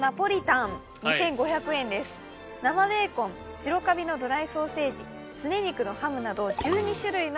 生ベーコン白カビのドライソーセージすね肉のハムなど。